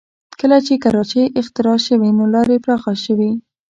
کله چې کراچۍ اختراع شوې نو لارې پراخه شوې